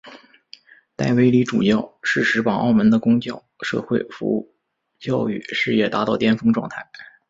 戴维理主教适时把澳门的公教社会服务教育事业达到巅峰状态。